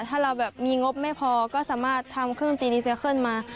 ถ้าเราแบบมีงบไม่พอก็สามารถทำเครื่องตีดีเซเคิลมา